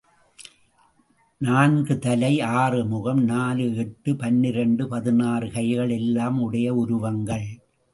நான்கு தலை, ஆறு முகம், நாலு, எட்டு, பன்னிரெண்டு, பதினாறு கைகள் எல்லாம் உடைய உருவங்கள்.